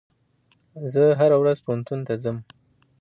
زه هره ورځ پوهنتون ته ځم.